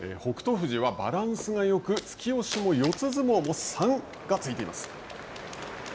富士は、バランスがよく突き押しも四つ相撲も３がついています。